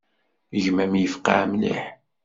Gma-m yefqeε mliḥ.